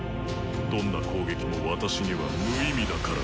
どんな攻撃も私には無意味だからだ。